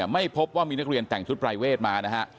ไม่พบว่ามีนักเรียนแต่งชุดปรายเวทมานะฮะ